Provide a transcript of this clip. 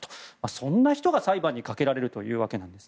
そんな人が裁判にかけられるということです。